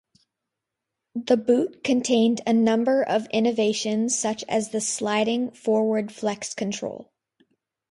The boot contained a number of innovations such as the sliding forward-flex control.